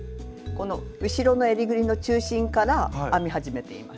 この後ろのえりぐりの中心から編み始めています。